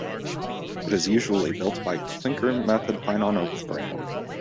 It is usually built by clinker method pine on oak framework.